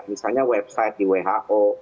misalnya website di who